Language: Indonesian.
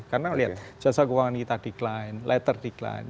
karena lihat jasa keuangan kita decline letter decline